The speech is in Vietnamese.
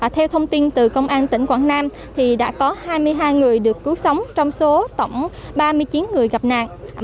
theo thông tin từ công an tỉnh quảng nam đã có hai mươi hai người được cứu sống trong số tổng ba mươi chín người gặp nạn